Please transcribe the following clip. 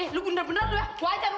eh lu benar benar gua ajar lu